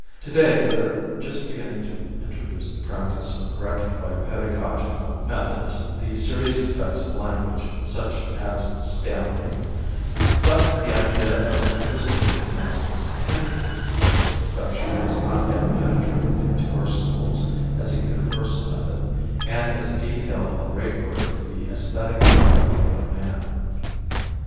To day we are just beginning to introduce the practice of correcting by pedagogical methods the serious defects of language, such as stammering; but the idea of linguistic gymnastics tending to its perfection has not yet penetrated into our schools as a universal method, and as a detail of the great work of the aesthetic perfecting of man.